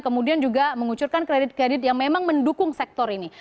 kemudian juga mengucurkan kredit kredit yang memang mendukung sektor ini